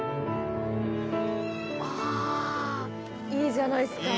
あいいじゃないっすか。